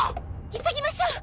急ぎましょう！